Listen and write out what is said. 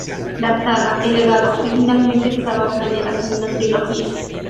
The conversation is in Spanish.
La saga "El legado" originalmente estaba planeada como una trilogía.